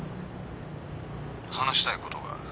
話したいことがある。